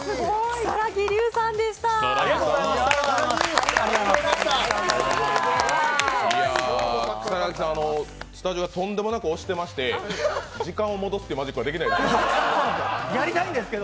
如月さん、スタジオがとんでもなく押してまして、時間を戻すってマジックはできないですか？